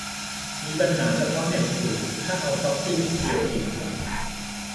มีปัญหาเฉพาะเน็ต ทรู ถ้าเอาพร็อกซีของทีโอทีมาใส่